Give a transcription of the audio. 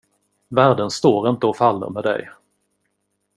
Världen står inte och faller med dig.